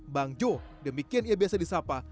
bang jo demikian ia biasa disapa